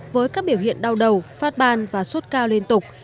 với các biểu hiện đau đầu phát ban và sốt cao liên tục